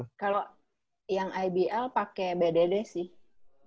kalau yang ibl pakai bdd sih